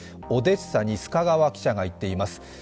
オデッサに須賀川記者が行っています。